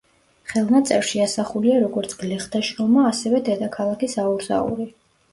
ხელნაწერში ასახულია როგორც გლეხთა შრომა, ასევე დედაქალაქის აურზაური.